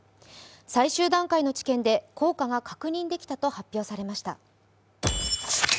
最終段階の治験で効果が確認できたと発表されました。